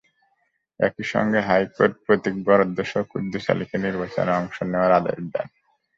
একই সঙ্গে হাইকোর্ট প্রতীক বরাদ্দসহ কুদ্দুস আলীকে নির্বাচনে অংশ নেওয়ার আদেশ দেন।